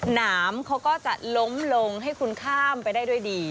น้ำเขาก็จะล้มลงให้คุณข้ามไปได้ด้วยดี